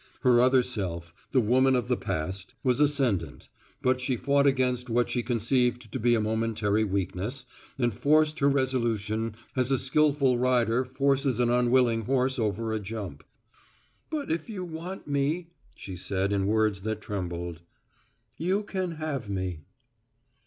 Her other self, the woman of the past, was ascendant, but she fought against what she conceived to be a momentary weakness, and forced her resolution as a skillful rider forces an unwilling horse over a jump. "But if you want me," she said in words that trembled, "you can have me."